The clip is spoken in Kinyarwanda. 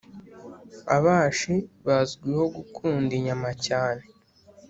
Abashi bazwiho gukunda inyama cyane